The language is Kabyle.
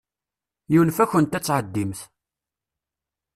Yunef-akent ad tɛeddimt.